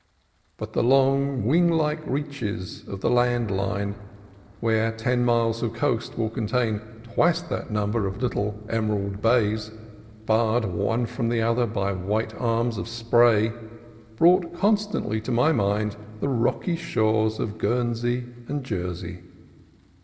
But the long, wing like reaches of the land line, where ten miles of coast will contain twice that number of little emerald bays barred one from the other by white arms of spray, brought constantly to my mind the rocky shores of Guernsey and Jersey.